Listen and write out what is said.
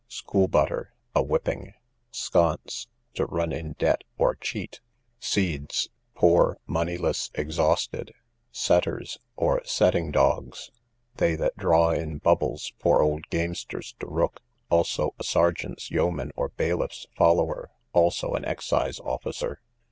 School butter, a whipping. Sconce, to run in debt, to cheat. Seeds, poor, moneyless, exhausted. Setters, or setting dogs, they that draw in bubbles for old gamesters to rook; also a sergeant's yeoman, or bailiff's follower; also an excise officer.